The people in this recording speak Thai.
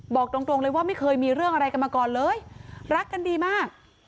บอกตรงเลยว่าไม่เคยมีเรื่องอะไรกันมาก่อนเลยรักกันดีมาก